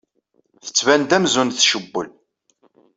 Tettban-d amzun tcewwel.